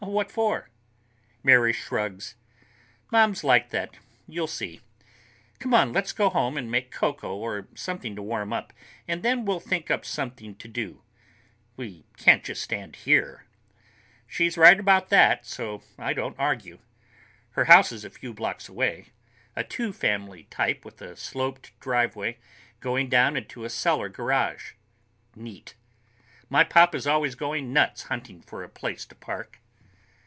What for?" Mary shrugs. "Mom's like that. You'll see. Come on, let's go home and make cocoa or something to warm up, and then we'll think up something to do. We can't just stand here." She's right about that, so I don't argue. Her house is a few blocks away, a two family type with a sloped driveway going down into a cellar garage. Neat. My pop is always going nuts hunting for a place to park.